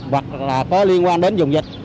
hoặc là có liên quan đến dùng dịch